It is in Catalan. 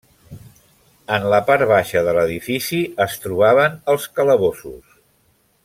En la part baixa de l'edifici es trobaven els calabossos.